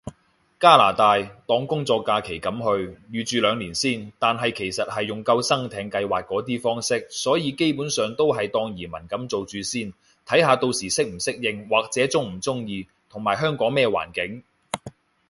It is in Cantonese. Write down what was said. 加拿大，當工作假期噉去，預住兩年先，但係其實係用救生艇計劃嗰啲方式，所以基本上都係當移民噉做住先，睇下到時適唔適應，或者中唔中意，同埋香港咩環境